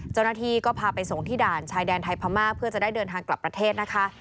เจ้าหน้าที่ก็พาไปส่งที่ด่านชายแดนไทยพม่าเพื่อจะได้เดินทางกลับประเทศนะคะ